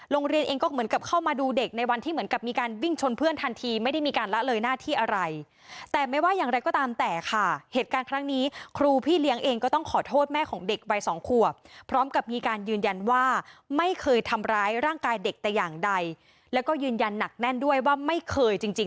โรงเรียนเองก็เหมือนกับเข้ามาดูเด็กในวันที่เหมือนกับมีการวิ่งชนเพื่อนทันทีไม่ได้มีการละเลยหน้าที่อะไรแต่ไม่ว่าอย่างไรก็ตามแต่ค่ะเหตุการณ์ครั้งนี้ครูพี่เลี้ยงเองก็ต้องขอโทษแม่ของเด็กวัยสองขวบพร้อมกับมีการยืนยันว่าไม่เคยทำร้ายร่างกายเด็กแต่อย่างใดแล้วก็ยืนยันหนักแน่นด้วยว่าไม่เคยจริง